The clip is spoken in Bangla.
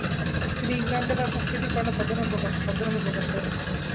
তিনি ইংল্যান্ডে তার কুখ্যাতির কারণে ছদ্মনামে প্রকাশ করেন।